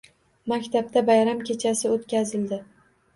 Maktabda bayram kechasi o`tkazildi